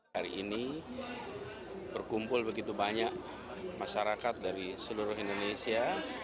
hari ini berkumpul begitu banyak masyarakat dari seluruh indonesia